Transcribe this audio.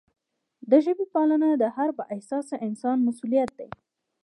د ژبې پالنه د هر با احساسه انسان مسؤلیت دی.